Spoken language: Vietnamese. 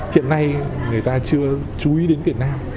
hiện nay người ta chưa chú ý đến việt nam